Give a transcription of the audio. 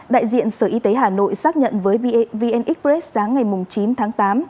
đại diện sở y tế hà nội xác nhận với vn express sáng ngày chín tháng tám